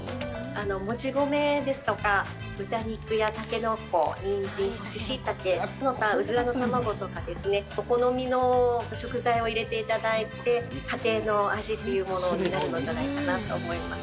もち米ですとか豚肉やタケノコ、にんじん、干ししいたけ、その他うずらの卵とかですね、お好みの食材を入れていただいて、家庭の味というものになるのではないかなと思います。